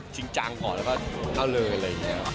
จริงจังก่อนแล้วก็เอาเลยอะไรอย่างนี้